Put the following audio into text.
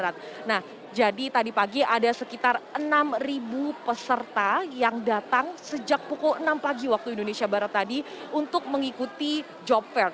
nah jadi tadi pagi ada sekitar enam peserta yang datang sejak really enam wib untuk mengikuti job fair